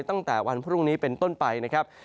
ตั้งแต่วันพรุ่งนี้เป็นต้นไปนะครับ